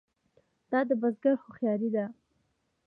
دا د بزګر هوښیاري ده.